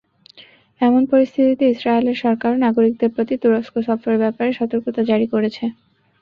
এমন পরিস্থিতিতে ইসরায়েলের সরকারও নাগরিকদের প্রতি তুরস্ক সফরের ব্যাপারে সতর্কতা জারি করেছে।